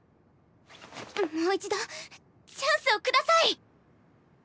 もう一度チャンスを下さい！